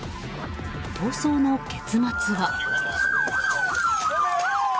逃走の結末は。